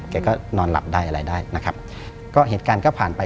แกก็นอนหลับได้อะไรได้นะครับก็เหตุการณ์ก็ผ่านไป